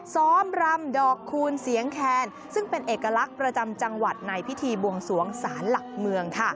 ซ้อมรำดอกคูณเสียงแคนซึ่งเป็นเอกลักษณ์ประจำจังหวัดในพิธีบวงสวงศาลหลักเมือง